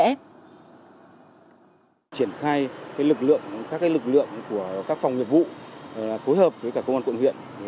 triển khai các lực lượng của các phòng nghiệp vụ phối hợp với các công an quận huyện